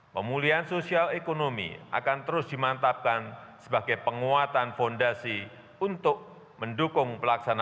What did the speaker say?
pemulihan sosial ekonomi akan terus dimantapkan sebagai penguatan fondasi untuk mendukung ekonomi dan reformasi struktural